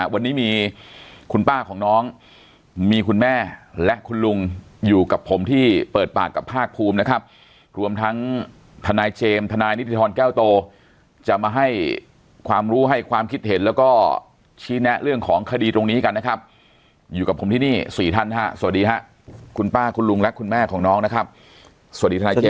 วันนี้มีคุณป้าของน้องมีคุณแม่และคุณลุงอยู่กับผมที่เปิดปากกับภาคภูมินะครับรวมทั้งทนายเจมส์ทนายนิติธรแก้วโตจะมาให้ความรู้ให้ความคิดเห็นแล้วก็ชี้แนะเรื่องของคดีตรงนี้กันนะครับอยู่กับผมที่นี่สี่ท่านฮะสวัสดีครับคุณป้าคุณลุงและคุณแม่ของน้องนะครับสวัสดีทนายเจ